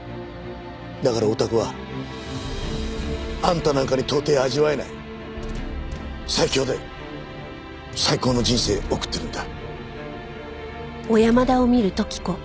だからオタクはあんたなんかに到底味わえない最強で最高の人生送ってるんだ。